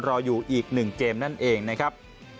รออยู่อีก๑เกมนั่นเองนะครับ